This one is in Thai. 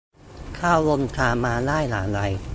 เข้าวงการมาได้อย่างไร